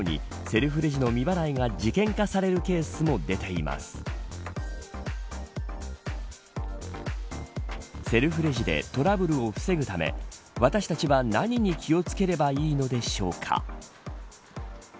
セルフレジでトラブルを防ぐため私たちは、何に気を付ければいいのでしょうか。